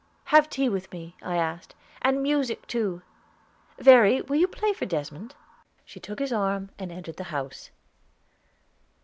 "Have tea with me," I asked, "and music, too. Verry, will you play for Desmond?" She took his arm, and entered the house.